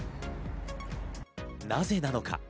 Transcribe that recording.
なぜなのか？